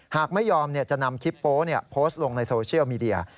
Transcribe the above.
หากไม่ยอมจะนำคลิปโป๊โพสต์ลงในโซเชียลมีเดีย